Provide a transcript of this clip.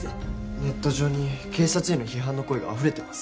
ネット上に警察への批判の声があふれてます